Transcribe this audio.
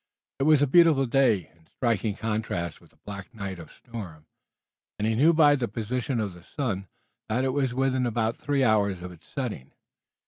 It was a beautiful day, in striking contrast with the black night of storm, and he knew by the position of the sun that it was within about three hours of its setting.